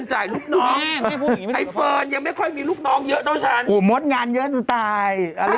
หลุดงานเยอะต่อไป